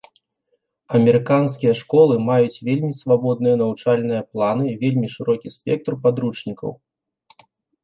Амерыканскія школы маюць вельмі свабодныя навучальныя планы, вельмі шырокі спектр падручнікаў.